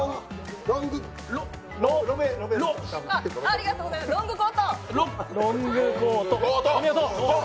ありがとうございます、ロングコート！